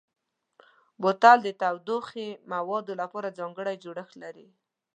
بوتل د تودوخهيي موادو لپاره ځانګړی جوړښت لري.